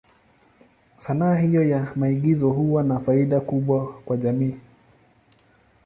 Sanaa hiyo ya maigizo huwa na faida kubwa kwa jamii.